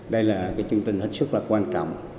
đây là chương trình hết sức quan trọng